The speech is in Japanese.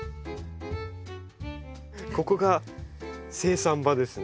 ここが生産場ですね。